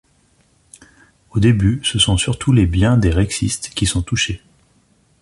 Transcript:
Au début, ce sont surtout les biens des rexistes qui sont touchés.